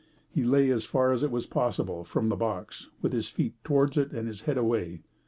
He lay as far as it was possible from the box, with his feet towards it and his head away.